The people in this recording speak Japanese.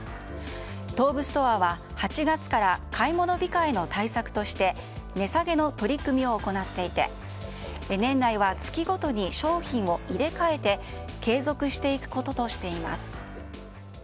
東武ストアは８月から買い物控えの対策として値下げの取り組みを行っていて年内は月ごとに商品を入れ替えて継続していくこととしています。